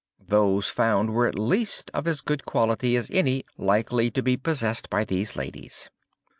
Those found were at least of as good quality as any likely to be possessed by these ladies.